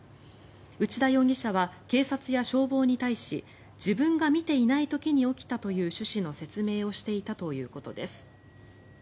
内田容疑者は、警察や消防に対し自分が見ていない時に起きたという趣旨の説明をしていたということです。